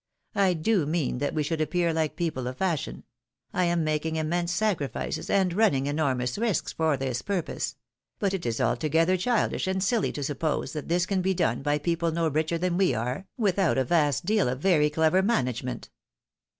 I do mean that we should appear like people of fashion — I am making immense sacrifices, and running enormous risks for this purpose ; but it is altogether childish and siUy to suppose that this can be done by people no richer than we are, witho'ut a vast deal of very 86 THE WIDO'W MARRIED. clever management.